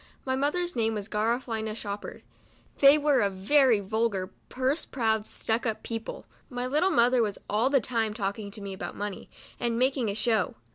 My mother's name was Garafelina Shoppard. They were a very vulgar, purse proud, stuck up people. My little mother was all the time talking to me about money, and making a show.